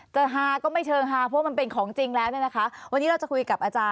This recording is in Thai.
จะหาก็ไม่เชิงเพราะมันเป็นของจริงแล้วนะนะคะ